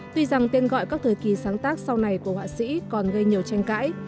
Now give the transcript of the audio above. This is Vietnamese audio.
tuy rằng tên gọi các thời kỳ sáng tác sau này của họa sĩ còn gây nhiều tranh cãi